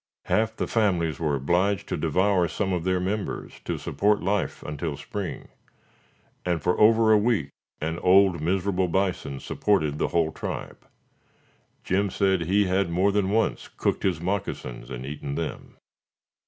Half the families were obliged to devour some of their members to support life until spring, and, for over a week, an old, miserable bison supported the whole tribe. Jim said he had more than once cooked his moccasins and eaten them.